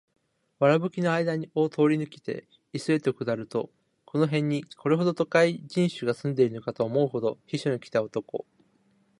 古い燻（くす）ぶり返った藁葺（わらぶき）の間あいだを通り抜けて磯（いそ）へ下りると、この辺にこれほどの都会人種が住んでいるかと思うほど、避暑に来た男や女で砂の上が動いていた。